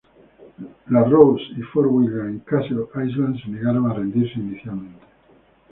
La Rose y Fort William en Castle Island se negaron a rendirse inicialmente.